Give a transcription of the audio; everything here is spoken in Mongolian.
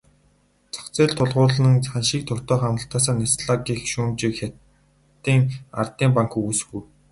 Зах зээлд тулгуурлан ханшийг тогтоох амлалтаасаа няцлаа гэх шүүмжийг Хятадын ардын банк үгүйсгэв.